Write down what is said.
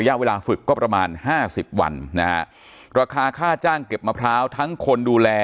เวลาฝึกก็ประมาณห้าสิบวันนะฮะราคาค่าจ้างเก็บมะพร้าวทั้งคนดูแล